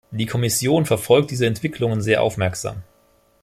Die Kommission verfolgt diese Entwicklungen sehr aufmerksam.